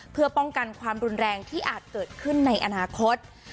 เพื่อป้องกันความรุนแรงที่อาจเกิดขึ้นในอนาคต